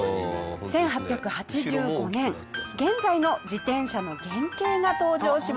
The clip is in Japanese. １８８５年現在の自転車の原型が登場しました。